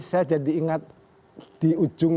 saya jadi ingat di ujung